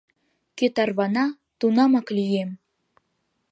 Кӧ тарвана, тунамак лӱем!